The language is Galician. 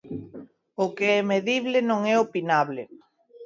O que é medible non é opinable.